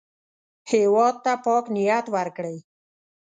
هېواد ته پاک نیت ورکړئ